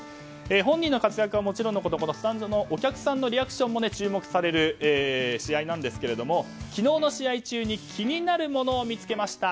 本人の活躍はもちろんのことスタンドのお客さんのリアクションも注目される試合なんですけれども昨日の試合中に気になるものを見つけました。